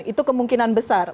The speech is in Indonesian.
itu kemungkinan besar